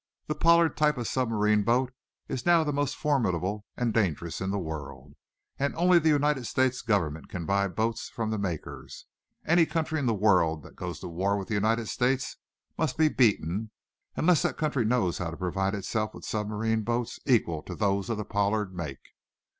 The Pollard type of submarine boat is now the most formidable and dangerous in the world and only the United States Government can buy boats from the makers! Any country in the world that goes to war with the United States must be beaten unless that country knows how to provide itself with submarine boats equal to those of the Pollard make.